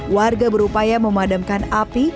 warga berupaya memadamkan api